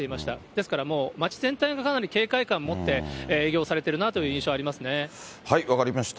ですからもう、街全体がかなり警戒感を持って営業されてるなという印象がありま分かりました。